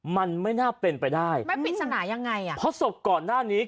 มันไม่น่าเป็นไปได้ไม่ปริศนายังไงอ่ะเพราะศพก่อนหน้านี้